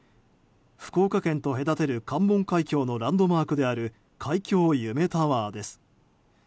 福岡県と隔てる関門海峡のランドマークである海峡ゆめタワーです。